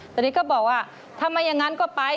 ตอนนี้ก็บอกว่าทำไมอย่างนั้นก็ไป